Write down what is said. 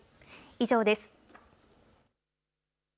以上です。